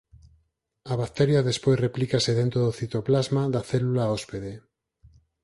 A bacteria despois replícase dentro do citoplasma da célula hóspede.